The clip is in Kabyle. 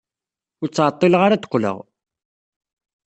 Ur ttɛeḍḍileɣ ara ad d-qqleɣ.